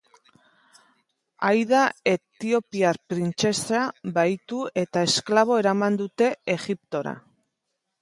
Aida etiopiar printzesa bahitu eta esklabo eraman dute Egiptora.